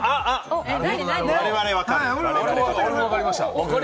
我々は分かる。